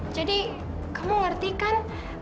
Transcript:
jadi kamu ngerti kan